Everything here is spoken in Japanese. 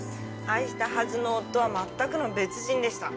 愛したはずの夫はまったくの別人でした。